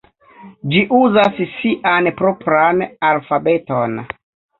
Ĝi uzas sian propran alfabeton.